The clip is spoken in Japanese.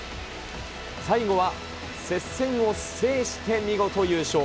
最後は、接戦を制して、見事優勝。